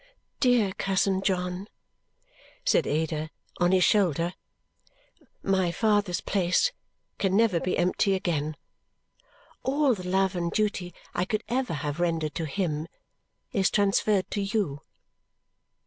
"Dear cousin John," said Ada, on his shoulder, "my father's place can never be empty again. All the love and duty I could ever have rendered to him is transferred to you."